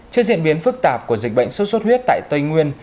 trước diễn biến phức tạp của dịch bệnh sốt xuất huyết tại tây nguyên